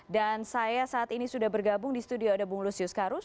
dan saya saat ini sudah bergabung di studio ada bung lusius karus